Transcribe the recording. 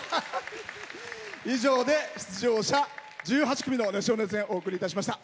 以上で、出場者１８組の熱唱・熱演お送りいたしました。